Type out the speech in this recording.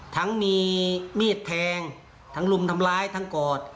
ทั้งมีมีดแทงทั้งรุมทำร้ายทั้งกอด